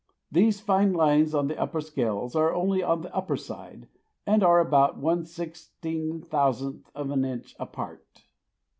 These fine lines on the scales are only on the upper side, and are about one sixteen thousandth of an inch apart.